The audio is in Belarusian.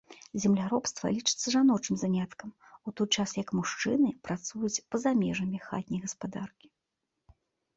Земляробства лічыцца жаночым заняткам, у той час як мужчыны працуюць па-за межамі хатняй гаспадаркі.